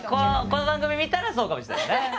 この番組見たらそうかもしれないですね。